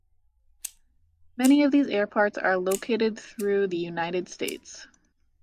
Many of these airports are located through the United States.